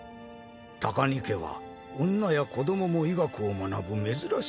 高荷家は女や子供も医学を学ぶ珍しい一族。